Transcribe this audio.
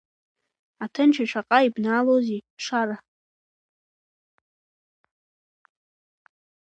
Аҭынчра шаҟа ибнаалозеи, Шара!